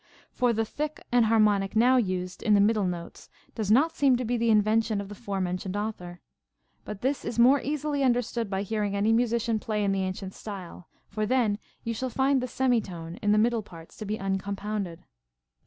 For the thick enharmonic now used in the middle notes does not seem to be the invention of the fore mentioned author. But this is more easily understood by hearing any musician play in the ancient style ; for then you shall find the semi tone in the middle parts to be uncompounded.